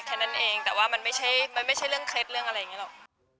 แค่นั้นเองแต่ว่ามันไม่ใช่เรื่องเคล็ดเรื่องอะไรอย่างนี้หรอก